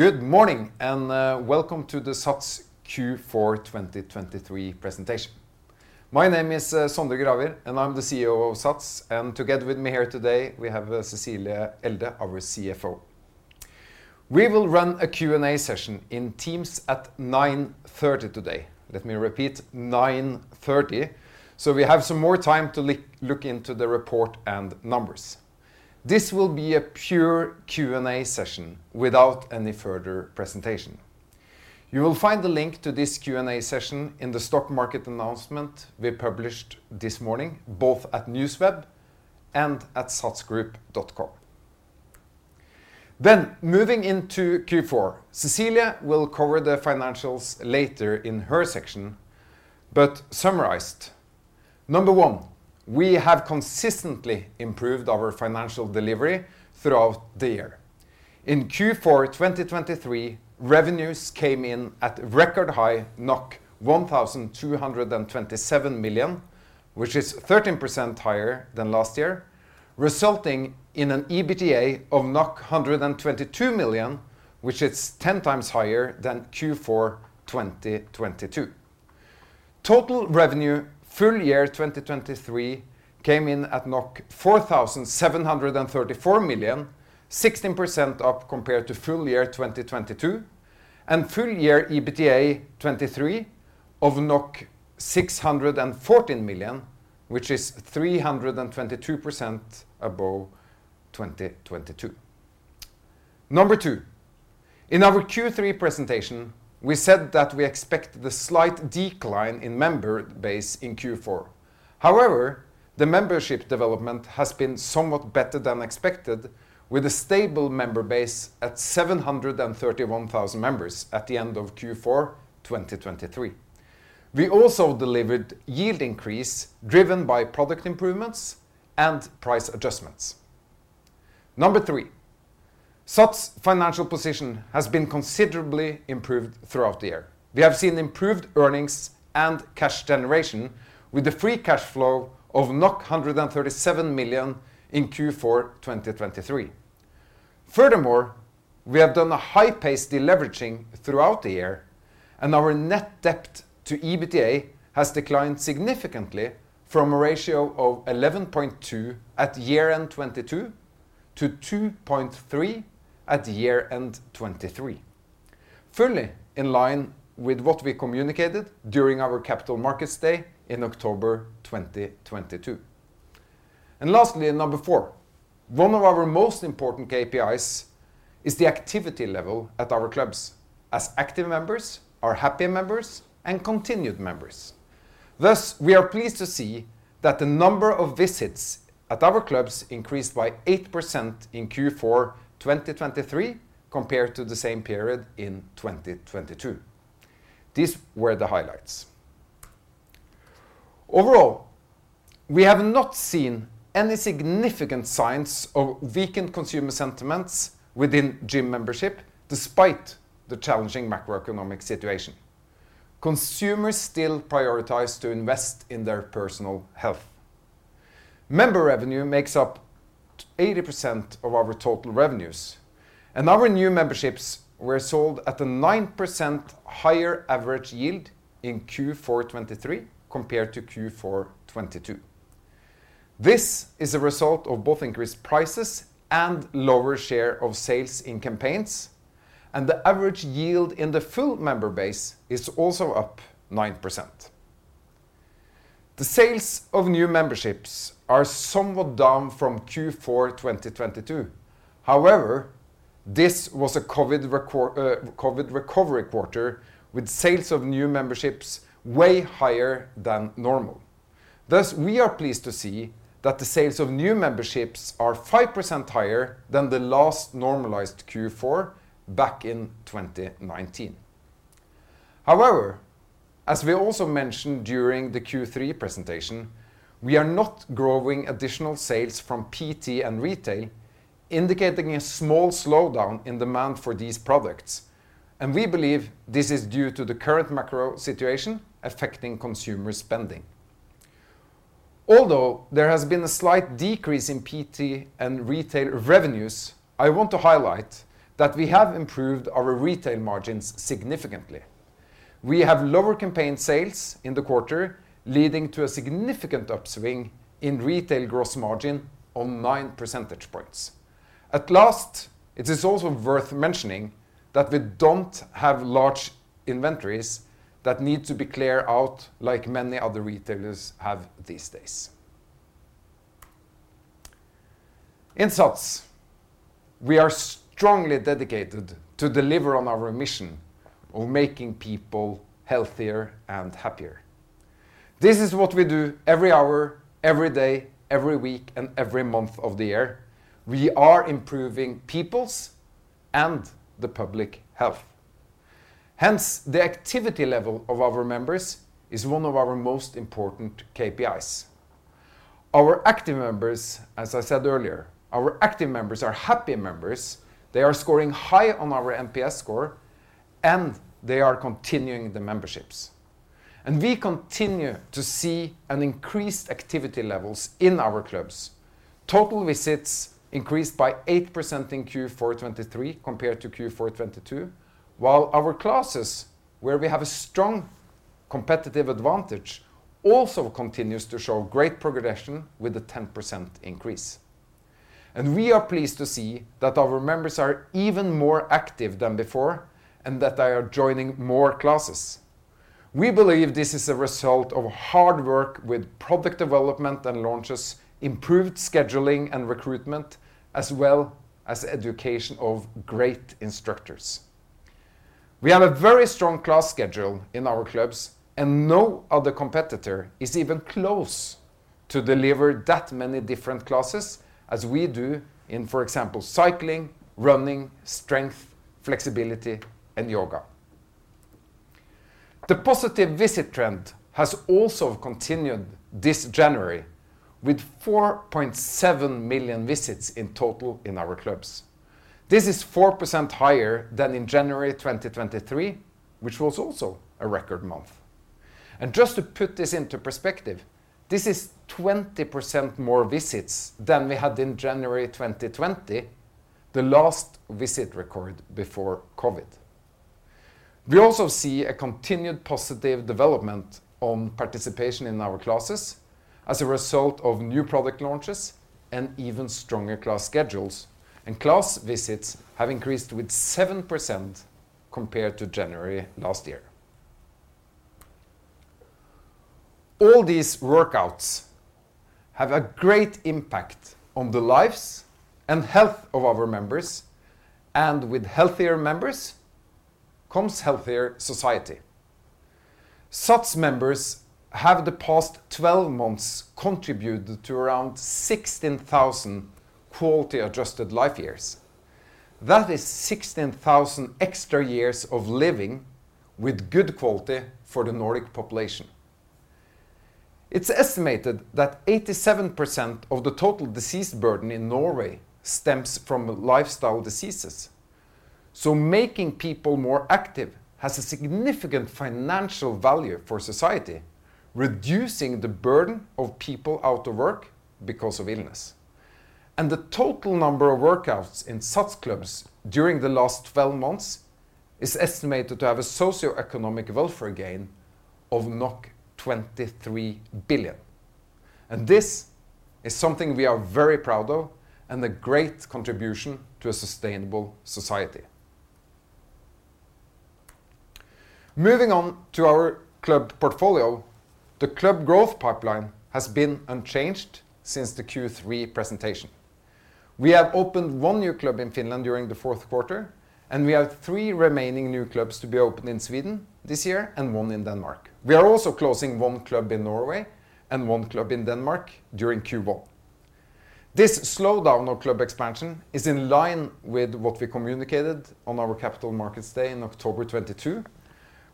Good morning, and welcome to the SATS Q4 2023 presentation. My name is Sondre Gravir, and I'm the CEO of SATS, and together with me here today, we have Cecilie Elde, our CFO. We will run a Q&A session in Teams at 9:30 A.M. today. Let me repeat, 9:30 A.M., so we have some more time to look into the report and numbers. This will be a pure Q&A session without any further presentation. You will find the link to this Q&A session in the stock market announcement we published this morning, both at NewsWeb and at satsgroup.com. Then, moving into Q4, Cecilie will cover the financials later in her section, but summarized: number one, we have consistently improved our financial delivery throughout the year. In Q4 2023, revenues came in at record high 1,227 million, which is 13% higher than last year, resulting in an EBITDA of 122 million, which is ten times higher than Q4 2022. Total revenue, full year 2023, came in at 4,734 million, 16% up compared to full year 2022, and full year EBITDA 2023 of 614 million, which is 322% above 2022. Number two, in our Q3 presentation, we said that we expect the slight decline in member base in Q4. However, the membership development has been somewhat better than expected, with a stable member base at 731,000 members at the end of Q4 2023. We also delivered yield increase, driven by product improvements and price adjustments. 3, SATS' financial position has been considerably improved throughout the year. We have seen improved earnings and cash generation with a free cash flow of 137 million in Q4 2023. Furthermore, we have done a high-paced deleveraging throughout the year, and our net debt to EBITDA has declined significantly from a ratio of 11.2 at year-end 2022 to 2.3 at year-end 2023, fully in line with what we communicated during our Capital Markets Day in October 2022. And lastly, four, one of our most important KPIs is the activity level at our clubs, as active members are happier members and continued members. Thus, we are pleased to see that the number of visits at our clubs increased by 8% in Q4 2023 compared to the same period in 2022. These were the highlights. Overall, we have not seen any significant signs of weakened consumer sentiments within gym membership, despite the challenging macroeconomic situation. Consumers still prioritize to invest in their personal health. Member revenue makes up 80% of our total revenues, and our new memberships were sold at a 9% higher average yield in Q4 2023 compared to Q4 2022. This is a result of both increased prices and lower share of sales in campaigns, and the average yield in the full member base is also up 9%. The sales of new memberships are somewhat down from Q4 2022. However, this was a COVID recovery quarter, with sales of new memberships way higher than normal. Thus, we are pleased to see that the sales of new memberships are 5% higher than the last normalized Q4 back in 2019. However, as we also mentioned during the Q3 presentation, we are not growing additional sales from PT and retail, indicating a small slowdown in demand for these products, and we believe this is due to the current macro situation affecting consumer spending. Although there has been a slight decrease in PT and retail revenues, I want to highlight that we have improved our retail margins significantly. We have lower campaign sales in the quarter, leading to a significant upswing in retail gross margin on nine percentage points. At last, it is also worth mentioning that we don't have large inventories that need to be cleared out like many other retailers have these days. In SATS, we are strongly dedicated to deliver on our mission of making people healthier and happier. This is what we do every hour, every day, every week, and every month of the year. We are improving people's and the public health. Hence, the activity level of our members is one of our most important KPIs. Our active members, as I said earlier, our active members are happy members. They are scoring high on our NPS score and they are continuing the memberships. We continue to see an increased activity levels in our clubs. Total visits increased by 8% in Q4 2023 compared to Q4 2022, while our classes, where we have a strong competitive advantage, also continues to show great progression with a 10% increase. And we are pleased to see that our members are even more active than before, and that they are joining more classes. We believe this is a result of hard work with product development and launches, improved scheduling and recruitment, as well as education of great instructors. We have a very strong class schedule in our clubs, and no other competitor is even close to deliver that many different classes as we do in, for example, cycling, running, strength, flexibility, and yoga. The positive visit trend has also continued this January, with 4.7 million visits in total in our clubs. This is 4% higher than in January 2023, which was also a record month. Just to put this into perspective, this is 20% more visits than we had in January 2020, the last visit record before COVID. We also see a continued positive development on participation in our classes as a result of new product launches and even stronger class schedules. Class visits have increased with 7% compared to January last year. All these workouts have a great impact on the lives and health of our members, and with healthier members, comes healthier society. SATS members have the past 12 months contributed to around 16,000 quality-adjusted life years. That is 16,000 extra years of living with good quality for the Nordic population. It's estimated that 87% of the total disease burden in Norway stems from lifestyle diseases, so making people more active has a significant financial value for society, reducing the burden of people out of work because of illness. The total number of workouts in SATS clubs during the last 12 months is estimated to have a socioeconomic welfare gain of 23 billion. This is something we are very proud of and a great contribution to a sustainable society. Moving on to our club portfolio, the club growth pipeline has been unchanged since the Q3 presentation. We have opened one new club in Finland during the Q4, and we have three remaining new clubs to be opened in Sweden this year and one in Denmark. We are also closing one club in Norway and one club in Denmark during Q1. This slowdown of club expansion is in line with what we communicated on our Capital Markets Day in October 2022,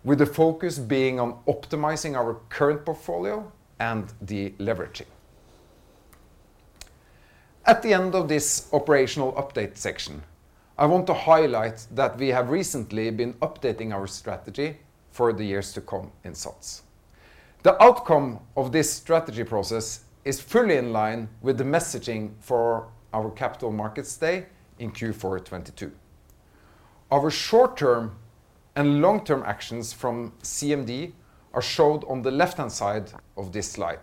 with the focus being on optimizing our current portfolio and deleveraging. At the end of this operational update section, I want to highlight that we have recently been updating our strategy for the years to come in SATS. The outcome of this strategy process is fully in line with the messaging for our Capital Markets Day in Q4 2022. Our short-term and long-term actions from CMD are showed on the left-hand side of this slide,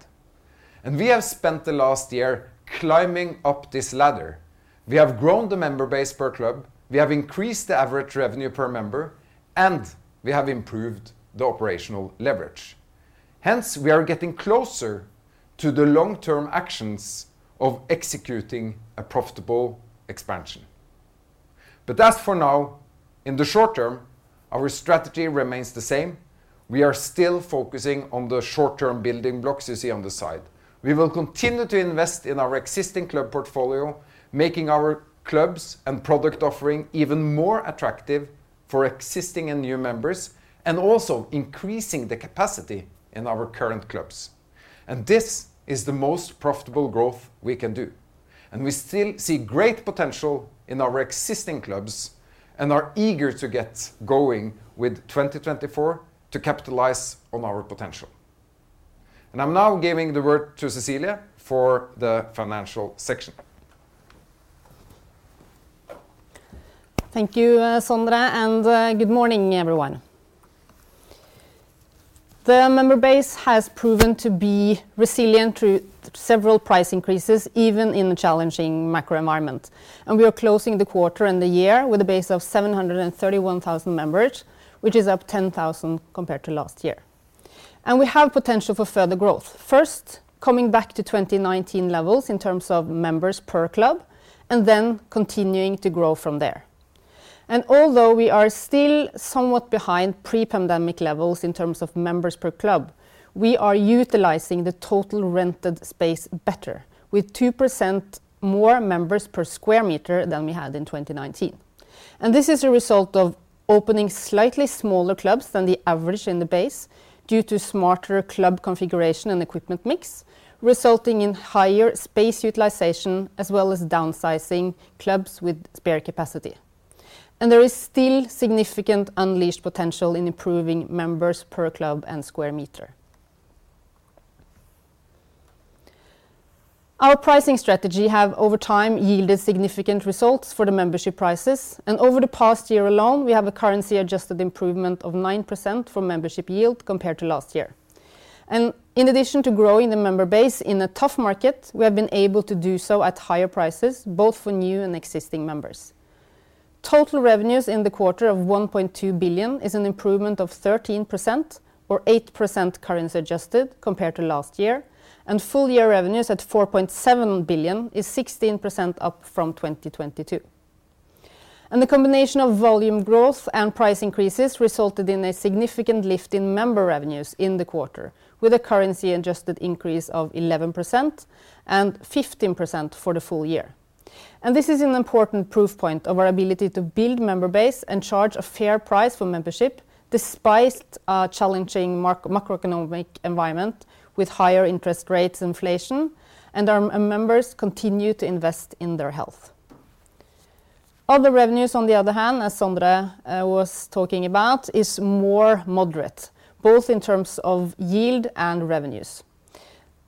and we have spent the last year climbing up this ladder. We have grown the member base per club, we have increased the average revenue per member, and we have improved the operational leverage. Hence, we are getting closer to the long-term actions of executing a profitable expansion. But as for now, in the short term, our strategy remains the same. We are still focusing on the short-term building blocks you see on the side. We will continue to invest in our existing club portfolio, making our clubs and product offering even more attractive for existing and new members, and also increasing the capacity in our current clubs. And this is the most profitable growth we can do, and we still see great potential in our existing clubs and are eager to get going with 2024 to capitalize on our potential. And I'm now giving the word to Cecilie for the financial section. Thank you, Sondre, and good morning, everyone. The member base has proven to be resilient through several price increases, even in the challenging macro environment, and we are closing the quarter and the year with a base of 731,000 members, which is up 10,000 compared to last year. We have potential for further growth. First, coming back to 2019 levels in terms of members per club, and then continuing to grow from there. Although we are still somewhat behind pre-pandemic levels in terms of members per club, we are utilizing the total rented space better, with 2% more members per square meter than we had in 2019. This is a result of opening slightly smaller clubs than the average in the base due to smarter club configuration and equipment mix, resulting in higher space utilization, as well as downsizing clubs with spare capacity. There is still significant unleashed potential in improving members per club and square meter. Our pricing strategy has over time yielded significant results for the membership prices, and over the past year alone, we have a currency-adjusted improvement of 9% from membership yield compared to last year. In addition to growing the member base in a tough market, we have been able to do so at higher prices, both for new and existing members. Total revenues in the quarter of 1.2 billion is an improvement of 13% or 8% currency adjusted compared to last year, and full year revenues at 4.7 billion is 16% up from 2022. The combination of volume growth and price increases resulted in a significant lift in member revenues in the quarter, with a currency-adjusted increase of 11% and 15% for the full year. This is an important proof point of our ability to build member base and charge a fair price for membership, despite a challenging macroeconomic environment with higher interest rates, inflation, and our members continue to invest in their health. Other revenues, on the other hand, as Sondre was talking about, is more moderate, both in terms of yield and revenues.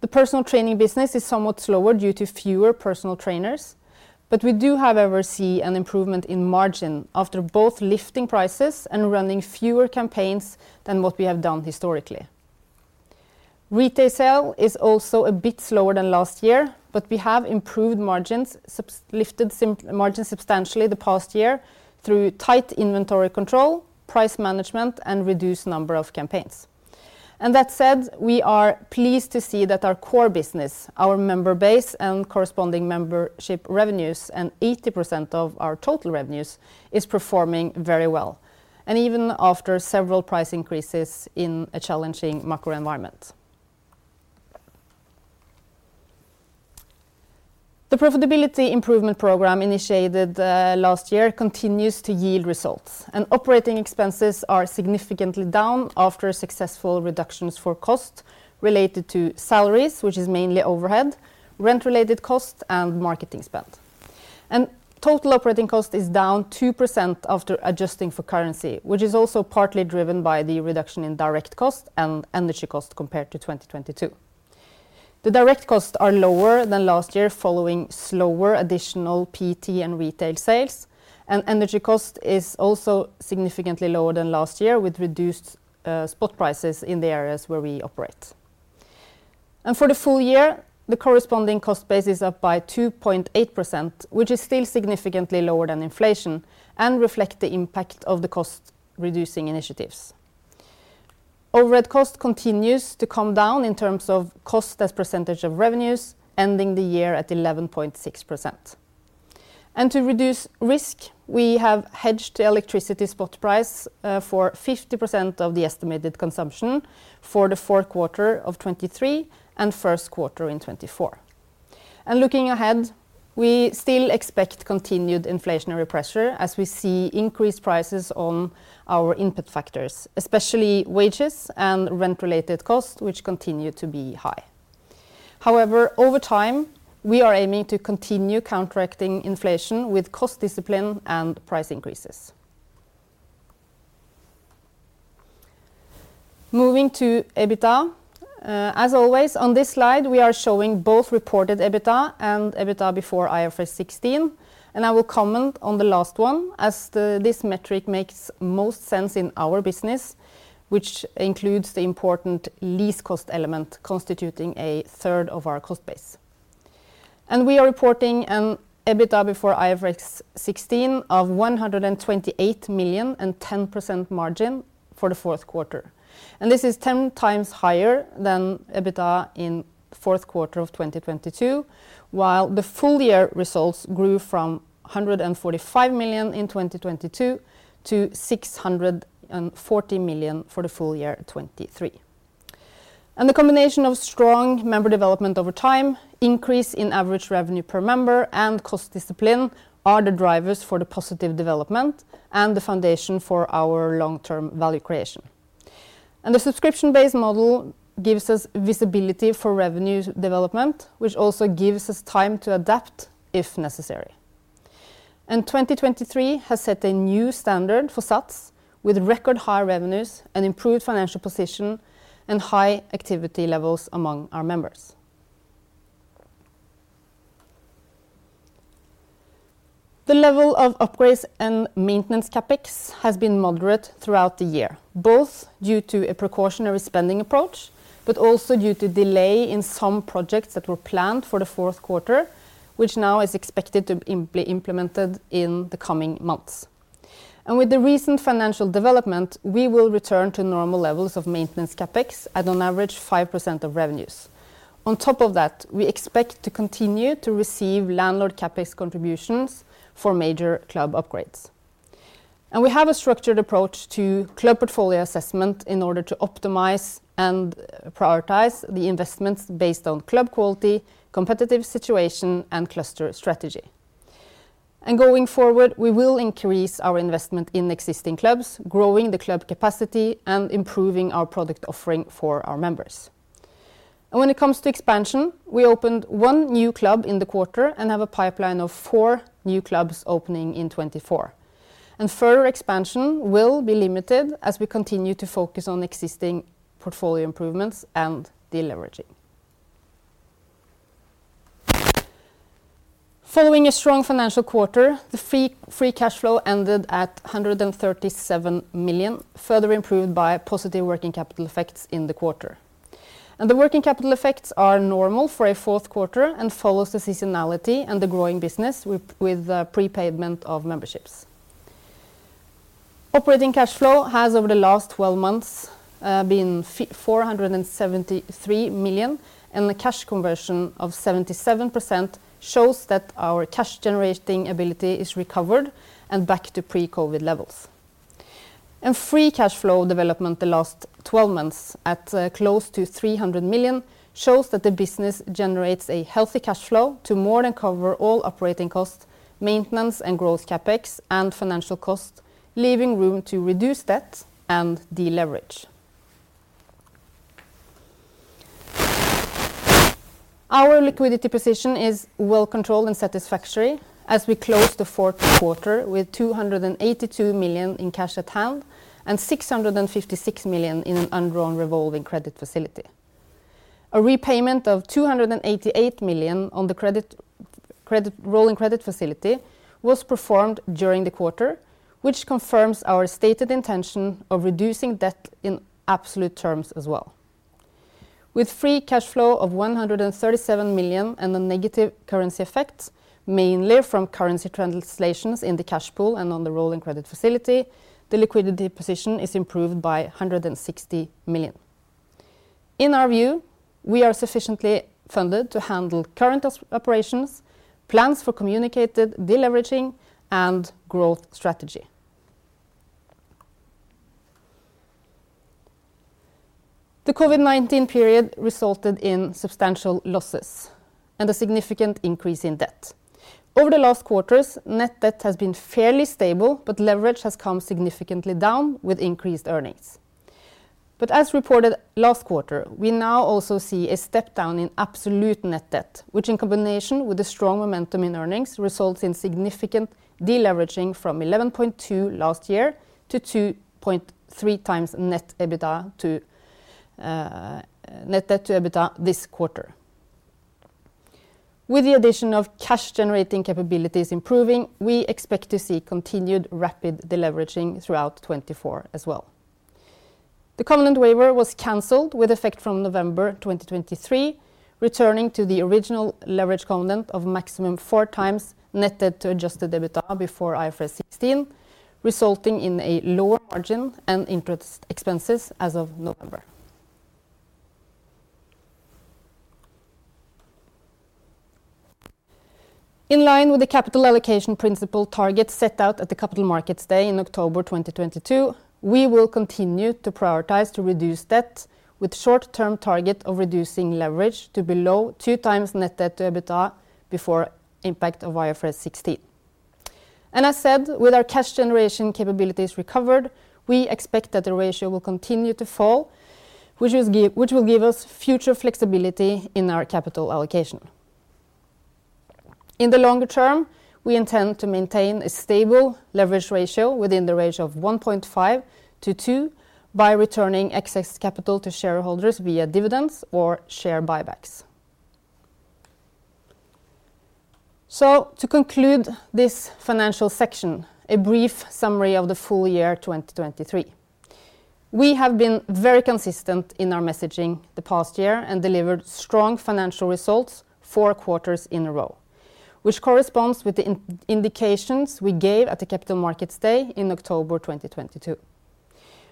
The personal training business is somewhat slower due to fewer personal trainers, but we do, however, see an improvement in margin after both lifting prices and running fewer campaigns than what we have done historically. Retail sale is also a bit slower than last year, but we have improved margins, lifted [sim, margins substantially the past year through tight inventory control, price management, and reduced number of campaigns. That said, we are pleased to see that our core business, our member base, and corresponding membership revenues, and 80% of our total revenues, is performing very well, and even after several price increases in a challenging macro environment. The profitability improvement program initiated last year continues to yield results, and operating expenses are significantly down after successful reductions for cost related to salaries, which is mainly overhead, rent-related costs, and marketing spend. Total operating cost is down 2% after adjusting for currency, which is also partly driven by the reduction in direct cost and energy cost compared to 2022. The direct costs are lower than last year, following slower additional PT and retail sales. Energy cost is also significantly lower than last year, with reduced spot prices in the areas where we operate. For the full year, the corresponding cost base is up by 2.8%, which is still significantly lower than inflation and reflect the impact of the cost-reducing initiatives. Overhead cost continues to come down in terms of cost as percentage of revenues, ending the year at 11.6%. To reduce risk, we have hedged the electricity spot price for 50% of the estimated consumption for Q4 of 2023 and Q1 in 2024. Looking ahead, we still expect continued inflationary pressure as we see increased prices on our input factors, especially wages and rent-related costs, which continue to be high. However, over time, we are aiming to continue counteracting inflation with cost discipline and price increases. Moving to EBITDA, as always, on this slide, we are showing both reported EBITDA and EBITDA before IFRS 16, and I will comment on the last one, as this metric makes most sense in our business, which includes the important lease cost element, constituting a third of our cost base. We are reporting an EBITDA before IFRS 16 of 128 million and 10% margin for Q4. This is 10x higher than EBITDA in Q4 of 2022, while the full year results grew from 145 in 2022 to 640 million for the full year 2023. The combination of strong member development over time, increase in average revenue per member, and cost discipline are the drivers for the positive development and the foundation for our long-term value creation. The subscription-based model gives us visibility for revenue development, which also gives us time to adapt if necessary. 2023 has set a new standard for SATS with record high revenues and improved financial position and high activity levels among our members. The level of upgrades and maintenance CapEx has been moderate throughout the year, both due to a precautionary spending approach, but also due to delay in some projects that were planned for the Q4, which now is expected to be implemented in the coming months. With the recent financial development, we will return to normal levels of maintenance CapEx at an average, 5% of revenues. On top of that, we expect to continue to receive landlord CapEx contributions for major club upgrades. We have a structured approach to club portfolio assessment in order to optimize and prioritize the investments based on club quality, competitive situation, and cluster strategy. Going forward, we will increase our investment in existing clubs, growing the club capacity and improving our product offering for our members. When it comes to expansion, we opened one new club in the quarter and have a pipeline of four new clubs opening in 2024, and further expansion will be limited as we continue to focus on existing portfolio improvements and deleveraging. Following a strong financial quarter, the free cash flow ended at 137 million, further improved by positive working capital effects in the quarter. The working capital effects are normal for a Q4 and follows the seasonality and the growing business with prepayment of memberships. Operating cash flow has, over the last 12 months, been 473 million, and the cash conversion of 77% shows that our cash-generating ability is recovered and back to pre-COVID levels. Free cash flow development the last 12 months, at close to 300 million, shows that the business generates a healthy cash flow to more than cover all operating costs, maintenance, and growth CapEx, and financial costs, leaving room to reduce debt and deleverage. Our liquidity position is well controlled and satisfactory as we close the Q4 with 282 million in cash at hand and 656 million in an undrawn revolving credit facility. A repayment of 288 million on the revolving credit facility was performed during the quarter, which confirms our stated intention of reducing debt in absolute terms as well. With free cash flow of 137 million and a negative currency effect, mainly from currency translations in the cash pool and on the revolving credit facility, the liquidity position is improved by 160 million. In our view, we are sufficiently funded to handle current ops, operations, plans for communicated deleveraging, and growth strategy. The COVID-19 period resulted in substantial losses and a significant increase in debt. Over the last quarters, net debt has been fairly stable, but leverage has come significantly down with increased earnings. But as reported last quarter, we now also see a step down in absolute net debt, which in combination with the strong momentum in earnings, results in significant deleveraging from 11.2 last year to 2.3x net EBITDA to net debt to EBITDA this quarter. With the addition of cash-generating capabilities improving, we expect to see continued rapid deleveraging throughout 2024 as well. The covenant waiver was canceled with effect from November 2023, returning to the original leverage covenant of maximum 4x net debt to adjusted EBITDA before IFRS 16, resulting in a lower margin and interest expenses as of November. In line with the capital allocation principle target set out at the Capital Markets Day in October 2022, we will continue to prioritize to reduce debt with short-term target of reducing leverage to below 2x net debt to EBITDA before impact of IFRS 16. And as said, with our cash generation capabilities recovered, we expect that the ratio will continue to fall, which will give us future flexibility in our capital allocation. In the longer term, we intend to maintain a stable leverage ratio within the range of 1.5-2 by returning excess capital to shareholders via dividends or share buybacks. So to conclude this financial section, a brief summary of the full year 2023. We have been very consistent in our messaging the past year and delivered strong financial results four quarters in a row, which corresponds with the indications we gave at the Capital Markets Day in October 2022.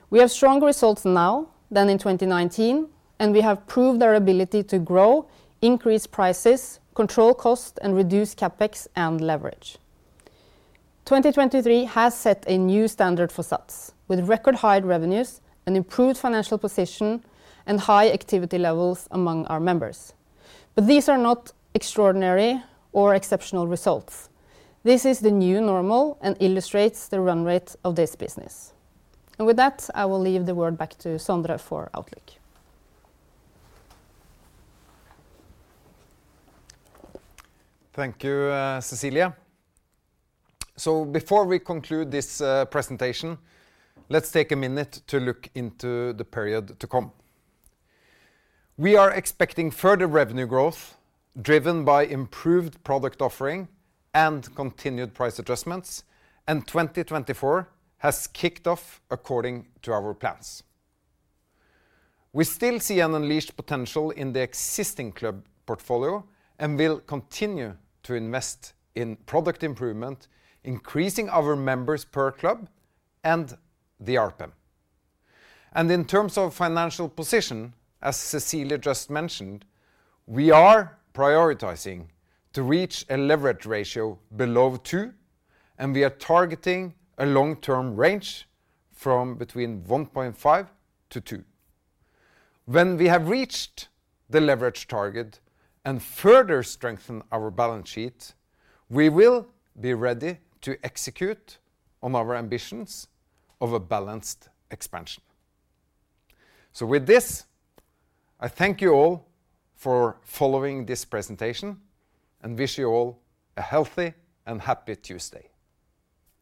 We have stronger results now than in 2019, and we have proved our ability to grow, increase prices, control cost, and reduce CapEx and leverage. 2023 has set a new standard for SATS with record high revenues, an improved financial position, and high activity levels among our members. But these are not extraordinary or exceptional results. This is the new normal and illustrates the run rate of this business. With that, I will leave the word back to Sondre for outlook. Thank you, Cecilie. So before we conclude this presentation, let's take a minute to look into the period to come. We are expecting further revenue growth, driven by improved product offering and continued price adjustments, and 2024 has kicked off according to our plans. We still see an unleashed potential in the existing club portfolio and will continue to invest in product improvement, increasing our members per club and the ARPM. In terms of financial position, as Cecilie just mentioned, we are prioritizing to reach a leverage ratio below two, and we are targeting a long-term range from between 1.5-2. When we have reached the leverage target and further strengthen our balance sheet, we will be ready to execute on our ambitions of a balanced expansion. With this, I thank you all for following this presentation and wish you all a healthy and happy Tuesday.